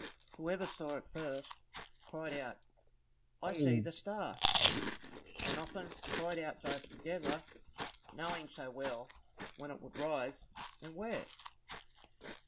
Whoever saw it first, cried out, "I see the star!" And often they cried out both together, knowing so well when it would rise, and where.